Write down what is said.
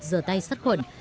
rửa tay sắt khuẩn